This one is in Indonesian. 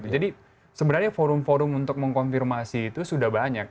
jadi sebenarnya forum forum untuk mengkonfirmasi itu sudah banyak